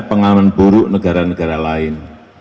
pengalaman buruk negara negara lain